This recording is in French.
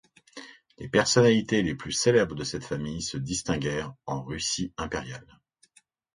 Les personnalités les plus célèbres de cette famille se distinguèrent en Russie impériale.